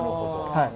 はい。